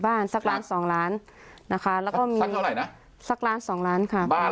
บ้านสักล้านสองล้านนะคะแล้วก็มีสักล้านสองล้านค่ะบ้าน